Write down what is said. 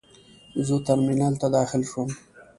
زه ترمینل ته داخل شوم.